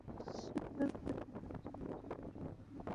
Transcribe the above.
এপ্রিলের গোড়ায়ও মমতা রাজ্যে নির্বাচনী জনসভায় কখনো মোদির নাম করতেন না।